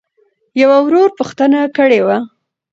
يــوه ورورپوښـتـنــه کــړېــوه.؟